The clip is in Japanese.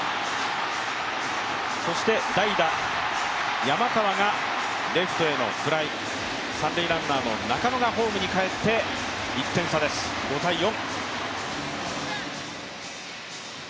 そして代打・山川がレフトへのフライ、三塁ランナーの中野がホームに帰って１点差です、５−４。